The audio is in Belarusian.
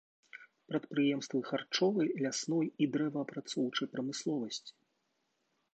Прадпрыемствы харчовай, лясной і дрэваапрацоўчай прамысловасці.